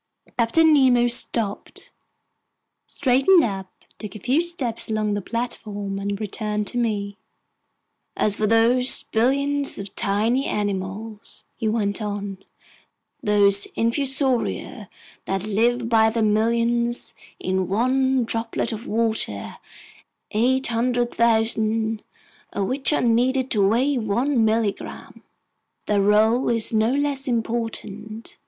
Captain Nemo stopped, straightened up, took a few steps along the platform, and returned to me: "As for those billions of tiny animals," he went on, "those infusoria that live by the millions in one droplet of water, 800,000 of which are needed to weigh one milligram, their role is no less important.